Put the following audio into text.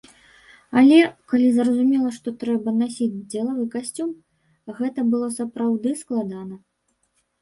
Але, калі зразумела, што трэба насіць дзелавы касцюм, гэта было сапраўды складана.